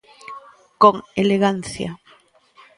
Con elegancia.